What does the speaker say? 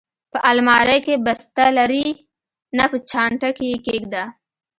په المارۍ کې، بسته لرې؟ نه، په چانټه کې یې کېږده.